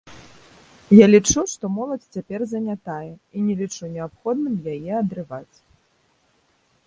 Я лічу, што моладзь цяпер занятая, і не лічу неабходным яе адрываць.